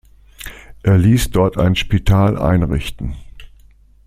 Er ließ dort ein Spital einrichten.